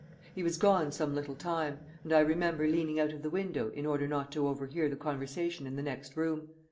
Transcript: He was gone some little time; and I remember leaning out of the window in order not to overhear the conversation in the next room.